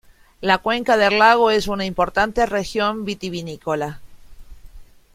La cuenca del lago es una importante región vitivinícola.